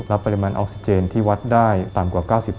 ปริมาณออกซิเจนที่วัดได้ต่ำกว่า๙๐